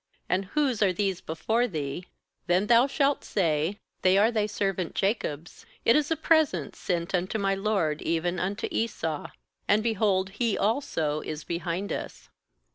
and whose are these before thee? 19then thou shalt say: They are thy serv ant Jacob's; it is a present sent unto my lord, even unto Esau; and, be hold, he also is behind us.'